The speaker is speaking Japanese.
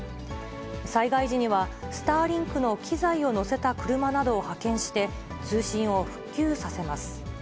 災害時には、スターリンクの機材を載せた車などを派遣して、通信を復旧させます。